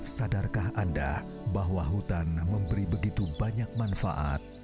sadarkah anda bahwa hutan memberi begitu banyak manfaat